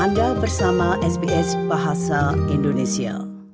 anda bersama sbs bahasa indonesia